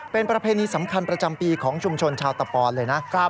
เป็นประเพณีสำคัญประจำปีของชุมชนชาวตะปอนเลยนะ